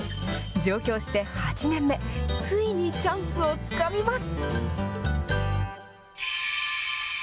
上京して８年目、ついにチャンスをつかみます。